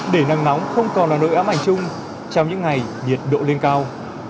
để nắng nóng không còn là nỗi ám ảnh chung trong những ngày nhiệt độ lên cao